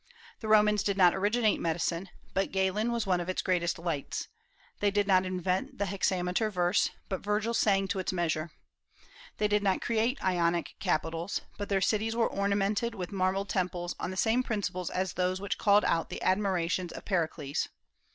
The Romans did not originate medicine, but Galen was one of its greatest lights; they did not invent the hexameter verse, but Virgil sang to its measure; they did not create Ionic capitals, but their cities were ornamented with marble temples on the same principles as those which called out the admiration of Pericles.